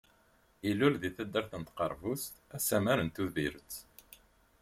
Ilul deg taddart n Tqerbust asamar n Tubiret.